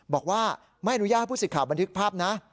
บอกว่าไม่อนุญาตผู้ศึกข่าวบันทึกภาพนะ